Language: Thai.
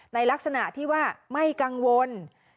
ในลักษณะที่ว่าไม่กังวล